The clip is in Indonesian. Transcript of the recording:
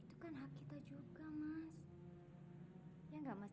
itu kan hak kita juga mas